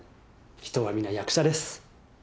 人は皆役者です。